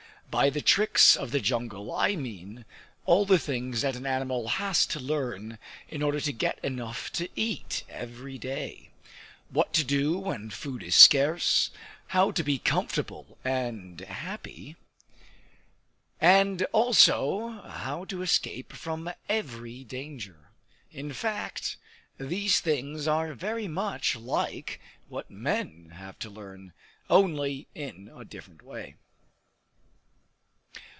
By the tricks of the jungle I mean all the things that an animal has to learn in order to get enough to eat every day, what to do when food is scarce, how to be comfortable and happy, and also how to escape from every danger; in fact, these things are very much like what men have to learn, only in a different way.